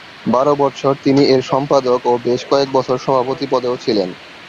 বারো বৎসর তিনি এর সম্পাদক ও বেশ কয়েক বছর সভাপতি পদেও ছিলেন।